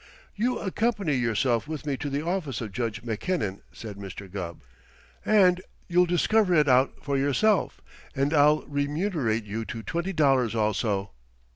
"You accompany yourself with me to the office of Judge Mackinnon," said Mr. Gubb, "and you'll discover it out for yourself and I'll remunerate you to twenty dollars also.